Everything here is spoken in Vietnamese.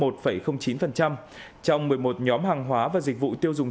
trong một mươi một nhóm hàng hóa và dịch vụ tiêu dùng